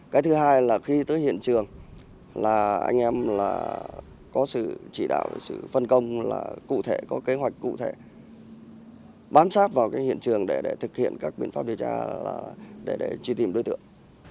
cái thứ hai là khi tới hiện trường là anh em là có sự chỉ đạo sự phân công là cụ thể có kế hoạch cụ thể bám sát vào cái hiện trường để thực hiện các biện pháp điều tra để truy tìm đối tượng